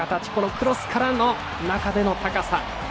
クロスからの中での高さ。